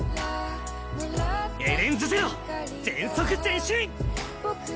エデンズゼロ全速前進！